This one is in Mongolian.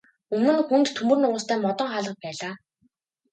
Өмнө нь хүнд төмөр нугастай модон хаалга байлаа.